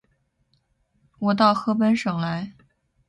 我到河北省来